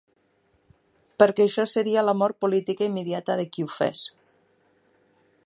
Perquè això seria la mort política immediata de qui ho fes.